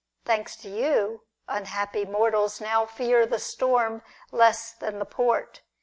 Thanks to you, unhappy mortals now fear the storm less than the port.